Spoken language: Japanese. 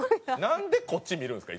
なんでこっち見るんですか？